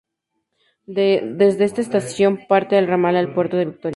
Desde esta estación parte el ramal al puerto de Victoria.